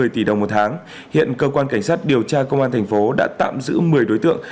một mươi tỷ đồng một tháng hiện cơ quan cảnh sát điều tra công an thành phố đã tạm giữ một mươi đối tượng